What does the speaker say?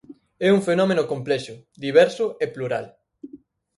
É un fenómeno complexo, diverso e plural.